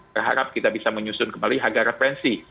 berharap kita bisa menyusun kembali harga referensi